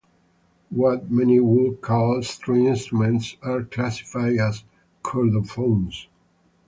What many would call string instruments are classified as chordophones.